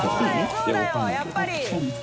そうだよやっぱり。